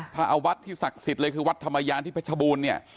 ถ้าเอาวัดที่ศักดิ์สิทธิ์เลยคือวัดธรรมยานที่เพชรบูรณ์เนี่ย